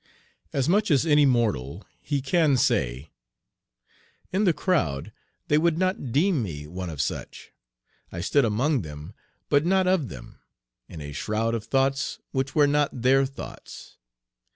As much as any mortal, he can say: "'In the crowd They would not deem me one of such; I stood Among them, but not of them; in a shroud Of thoughts which were not their thoughts.'